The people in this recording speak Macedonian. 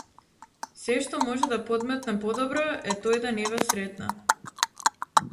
Сешто може да подметне подобро е тој да не ве сретне.